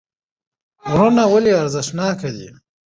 غرونه ولې ارزښتناکه دي